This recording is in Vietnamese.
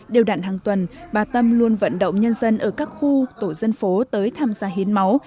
đều đạn hàng tuần bà tâm luôn vận động nhân dân ở các khu tổ dân phố tới tham gia hiến máu